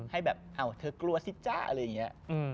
ให้แบบอ้าวเธอกลัวสิจ๊ะอะไรอย่างนี้